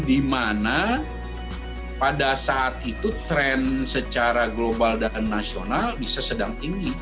di mana pada saat itu tren secara global dan nasional bisa sedang tinggi